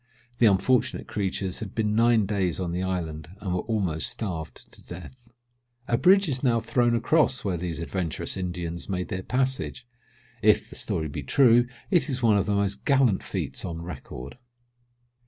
The unfortunate creatures had been nine days on the island, and were almost starved to death." A bridge is now thrown across where these adventurous Indians made their passage. If the story be true, it is one of the most gallant feats on record.